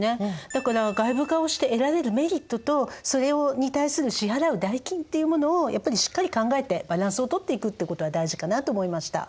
だから外部化をして得られるメリットとそれに対する支払う代金っていうものをやっぱりしっかり考えてバランスをとっていくっていうことが大事かなと思いました。